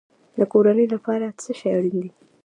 د کورنۍ لپاره څه شی اړین دی؟